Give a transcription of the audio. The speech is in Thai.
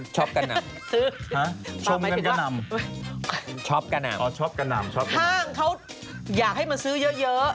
ชอบกะนำอ๋อชอบกะนำชอบกะนำห้างเขาอยากให้มาซื้อเยอะเยอะ